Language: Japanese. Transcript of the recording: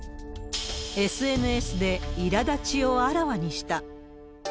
ＳＮＳでいらだちをあらわにした。